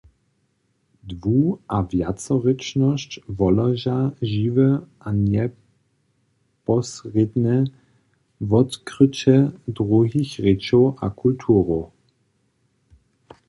Dwu- a wjacerěčnosć wolóža žiwe a njeposrědne wotkryće druhich rěčow a kulturow.